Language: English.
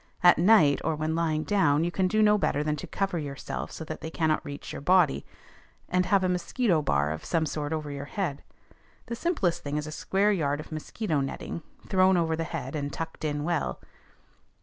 At night, or when lying down, you can do no better than to cover yourself so that they cannot reach your body, and have a mosquito bar of some sort over your head. The simplest thing is a square yard of mosquito netting thrown over the head, and tucked in well.